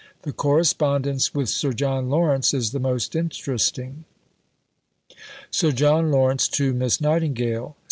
The correspondence with Sir John Lawrence is the most interesting: (_Sir John Lawrence to Miss Nightingale.